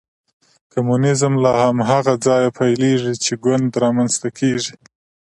کمونیزم له هماغه ځایه پیلېږي چې ګوند رامنځته کېږي.